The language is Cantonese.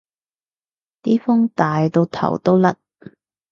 啲風大到頭都甩